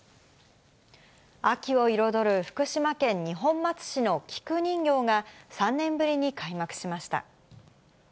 秋を彩る福島県二本松市の菊人形が、３年ぶりに開幕しました。